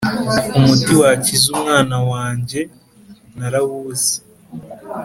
umuti wakiza umwana wanjye narawubuze